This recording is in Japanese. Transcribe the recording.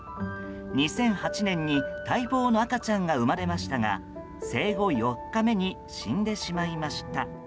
２００８年に待望の赤ちゃんが生まれましたが生後４日目に死んでしまいました。